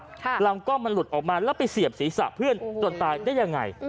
ลำกล้องมันหลุดออกมาแล้วไปเสียบศีรษะเพื่อนจนตายได้ยังไง